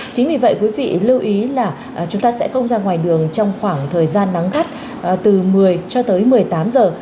chính vì vậy quý vị lưu ý là chúng ta sẽ không ra ngoài đường trong khoảng thời gian nắng gắt từ một mươi cho tới một mươi tám giờ